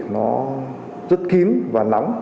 nó rất kín và nóng